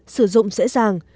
sử dụng dễ dàng